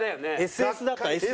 ＳＳだったＳＳ。